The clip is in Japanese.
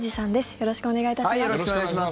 よろしくお願いします。